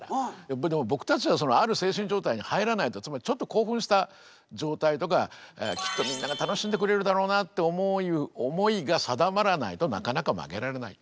でも僕たちはある精神状態に入らないとつまりちょっと興奮した状態とかきっとみんなが楽しんでくれるだろうなって思いが定まらないとなかなか曲げられない。